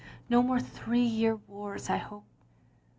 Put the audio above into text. No more three year wars, I hope.